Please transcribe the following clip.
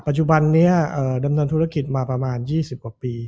จุบันนี้ดำเนินธุรกิจมาประมาณ๒๐กว่าปี